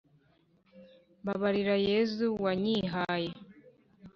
mbabarira yezu wanyihaye